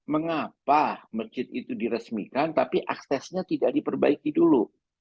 mengapa masjid itu diresmikan tapi aksesnya tidak diperbaiki dulu